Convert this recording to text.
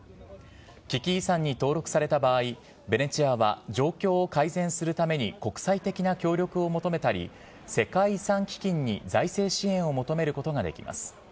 危機遺産に登録された場合、ベネチアは状況を改善するために国際的な協力を求めたり、世界遺産基金に財政支援を求めることができます。